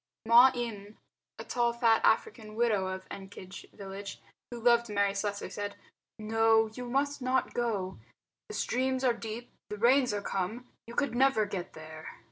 Ma Eme, a tall fat African widow of Ekenge village, who loved Mary Slessor, said, "No, you must not go. The streams are deep; the rains are come. You could never get there."